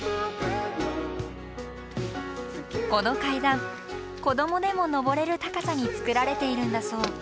この階段子どもでも登れる高さにつくられているんだそう。